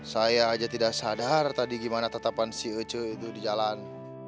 saya saja tidak sadar tadi bagaimana tetapan si ece itu di jalan